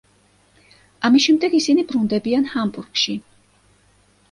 ამის შემდეგ, ისინი ბრუნდებიან ჰამბურგში.